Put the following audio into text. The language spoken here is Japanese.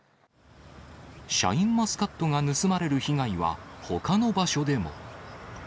シャインマスカットが盗まれる被害はほかの場所でも。